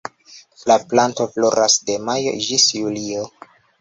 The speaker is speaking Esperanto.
La planto floras de majo ĝis julio.